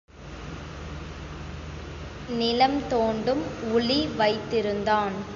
நிலம் தோண்டும் உளி வைத்திருந்தான்.